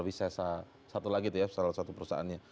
wisesa satu lagi itu ya salah satu perusahaannya